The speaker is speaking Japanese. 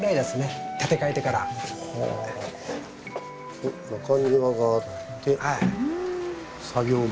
おっ中庭があって作業場。